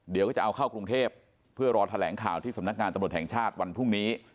เดี๋ยวก็จะเอาเข้ากรุงเทพเพื่อรอแถลงข่าวที่สำนักงานตำรวจแห่งชาติวันพรุ่งนี้